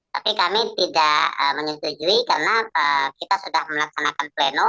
tapi kami tidak menyetujui karena kita sudah melaksanakan pleno